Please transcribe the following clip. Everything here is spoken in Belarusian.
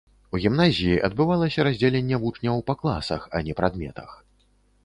У гімназіі адбывалася раздзяленне вучняў па класах, а не прадметах.